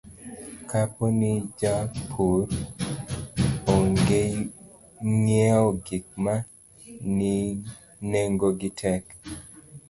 Kapo ni jopur ong'iewo gik ma nengogi tek,